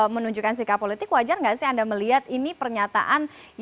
menunjukkan sikap politik wajar nggak sih anda melihat ini pernyataan